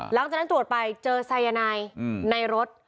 หลังจากนั้นตรวจไปเจอสายนายในรถ